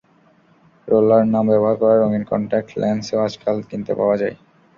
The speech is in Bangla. রোলার নাম ব্যবহার করা রঙিন কন্টাক্ট লেনসও আজকাল কিনতে পাওয়া যায়।